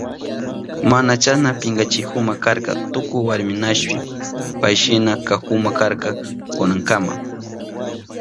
Mana chasna pinkachinahuma karka tukuy warmikunashi payshina kanahuma karka kunankama.